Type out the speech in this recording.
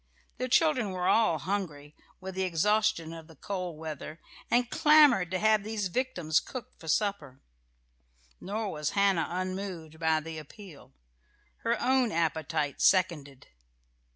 The children were all hungry, with the exhaustion of the cold weather, and clamoured to have these victims cooked for supper. Nor was Hannah unmoved by the appeal. Her own appetite seconded.